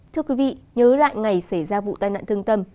thưa quý vị nhớ lại ngày xảy ra vụ tai nạn thương tâm